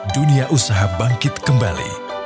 dunia usaha bangkit kembali